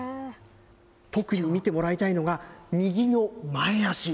特に見てもらいたいのが、右の前足。